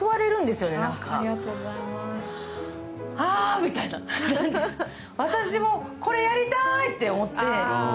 あみたいな、私もこれやりたーいって思って。